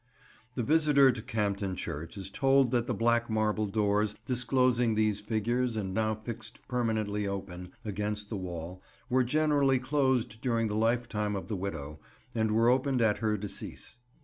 '" The visitor to Campden church is told that the black marble doors disclosing these figures and now fixed permanently open, against the wall, were generally closed during the lifetime of the widow, and were opened at her decease.